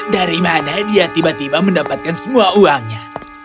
dari mana dia tiba tiba mendapatkan semua uangnya